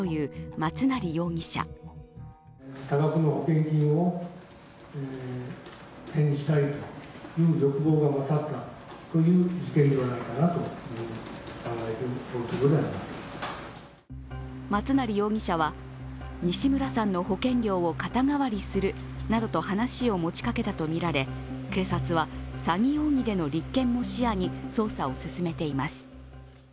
松成容疑者は、西村さんの保険料を肩代わりするなどと話をもちかけたとみられ警察は詐欺容疑での立件も視野に捜査を進めています。